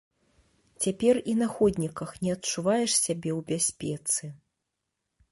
Цяпер і на ходніках не адчуваеш сябе ў бяспецы.